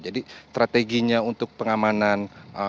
jadi strateginya untuk pengamanan